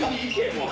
もう。